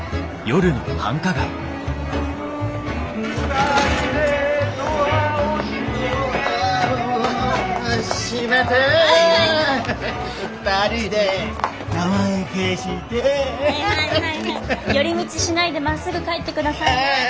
寄り道しないでまっすぐ帰ってくださいね。